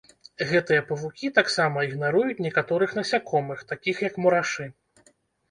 Гэтыя павукі таксама ігнаруюць некаторых насякомых, такіх як мурашы.